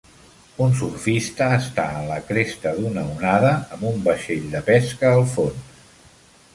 Un surfista està en la cresta d'una onada amb un vaixell de pesca al fons.